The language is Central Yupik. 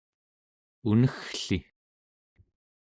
uneggli